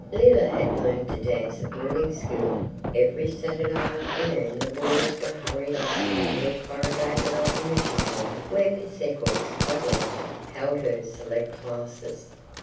Leila had learned to dance at boarding school. Every Saturday afternoon the boarders were hurried off to a little corrugated iron mission hall where Miss Eccles (of London) held her "select" classes.